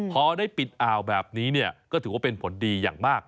พอได้ปิดอ่าวแบบนี้เนี่ยก็ถือว่าเป็นผลดีอย่างมาก